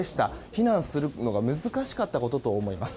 避難するのが難しかったことと思います。